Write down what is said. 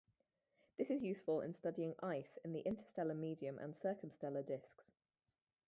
This is useful studying ice in the interstellar medium and circumstellar disks.